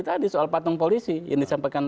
tadi soal patung polisi yang disampaikan